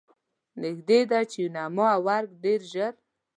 نږدې ده چې یوناما او ارګ ډېر ژر.